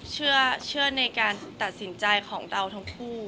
เชื่อในการตัดสินใจของเราทั้งคู่